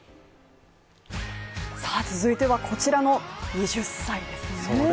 続いては、こちらの二十歳ですね。